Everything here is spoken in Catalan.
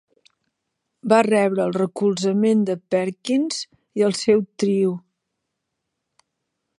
Va rebre el recolzament de Perkins i el seu trio.